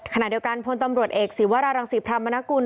ขณะเดียวกันพลตำรวจเอกศีวรารังศรีพรรมนกุล